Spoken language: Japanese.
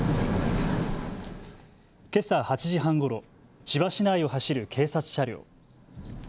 けさ８時半ごろ、千葉市内を走る警察車両。